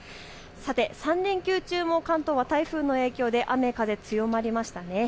３連休中も関東は台風の影響で雨風強まりましｔね。